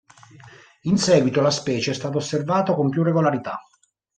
In seguito la specie è stata osservata con più regolarità.